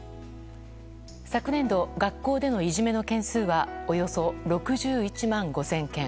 昨年度、学校でのいじめの件数はおよそ６１万５０００件。